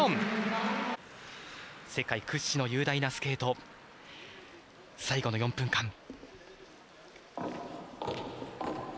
世界屈指の雄大なスケート最後の４分間。